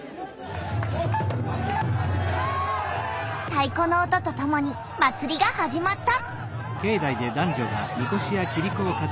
太この音とともに祭りが始まった！